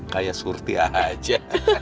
kayak surti aja